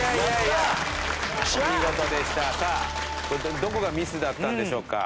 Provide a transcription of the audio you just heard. さあどこがミスだったんでしょうか？